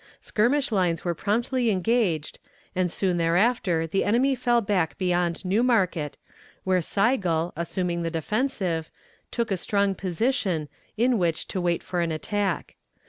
Skirmish lines were promptly engaged, and soon thereafter the enemy fell back beyond New Market, where Sigel, assuming the defensive, took a strong position, in which to wait for an attack.